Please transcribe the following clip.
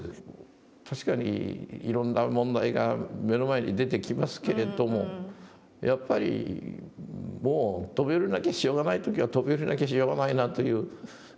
確かにいろんな問題が目の前に出てきますけれどもやっぱりもう飛び降りなきゃしょうがない時は飛び降りなきゃしょうがないなという。